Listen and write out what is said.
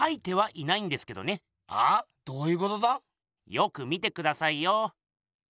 よく見てくださいよ。